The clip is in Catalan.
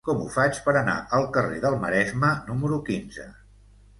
Com ho faig per anar al carrer del Maresme número quinze?